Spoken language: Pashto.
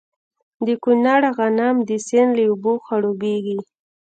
د کونړ غنم د سیند له اوبو خړوبیږي.